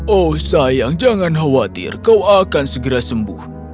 oh sayang jangan khawatir kau akan segera sembuh